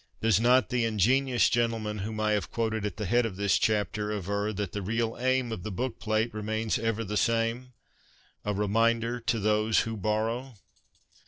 Does not the ingenuous gentleman whom I have quoted at the head of this chapter aver that the real aim of the bookplate remains ever the same —' a reminder to those who borrow.'